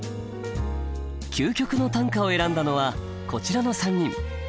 究極の短歌を選んだのはこちらの３人。